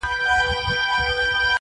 زه د بل له ښاره روانـېـږمـه.